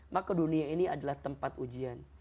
maka dunia ini adalah tempat ujian